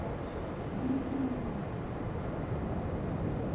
すっと呑みやすくなりました。